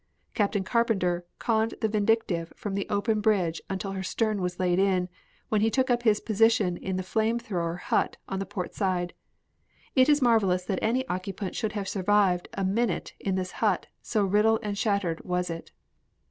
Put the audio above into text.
Captain Carpenter conned the Vindictive from the open bridge until her stern was laid in, when he took up his position in the flame thrower hut on the port side. It is marvelous that any occupant should have survived a minute in this hut, so riddled and shattered was it.